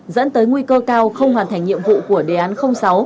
dẫn tới nguy cơ cao không hoàn thành nhiệm vụ của đề án sáu